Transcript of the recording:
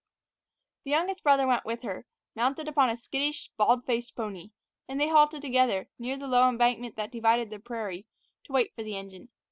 The youngest brother went with her, mounted upon a skittish, bald faced pony, and they halted together, near the low embankment that divided the prairie, to wait for the engine.